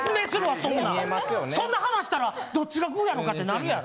そんな話したら、どっちがグーやろかってなるやろ。